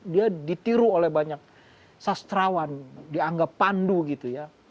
dia ditiru oleh banyak sastrawan dianggap pandu gitu ya